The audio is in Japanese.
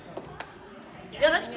よろしく。